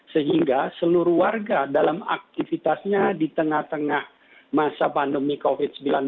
sehingga seluruh warga dalam aktivitasnya di tengah tengah masa pandemi covid sembilan belas